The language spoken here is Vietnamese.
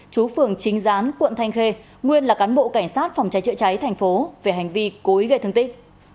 chú phường chính gián quận thanh khê nguyên là cán bộ cảnh sát phòng cháy chữa cháy thành phố về hành vi cối gây thương tích